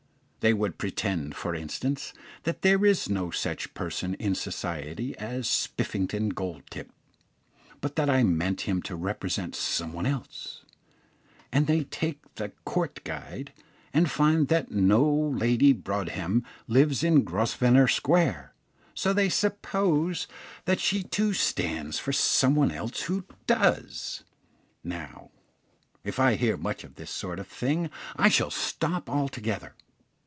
They would pretend, for instance, that there is no such person in society as Spiffington Goldtip, but that I mean him to represent some one else; and they take the 'Court Guide,' and find that no Lady Broadhem lives in Grosvenor Square, so they suppose that she too stands for some one else who does. Now, if I hear much of this sort of thing I shall stop altogether.